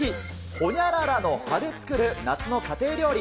ホニャララの葉で作る夏の家庭料理。